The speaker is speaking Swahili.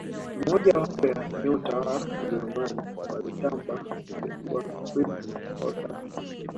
moja wapo ya nyota wa ujerumani waliyotamba alikuwa fritz walter